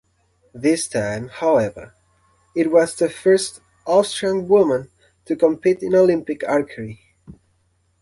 This time, however, it was the first Austrian woman to compete in Olympic archery.